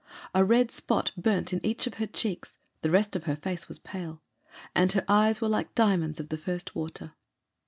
A red spot burnt in each of her cheeks; the rest of her face was pale; and her eyes were like diamonds of the first water.